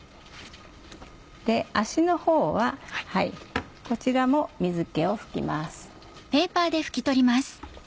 足のほうはこちらも水気を拭きます。